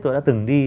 tôi đã từng đi